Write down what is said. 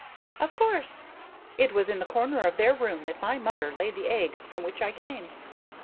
"Of course. It was in the corner of their room that my mother laid the egg from which I came.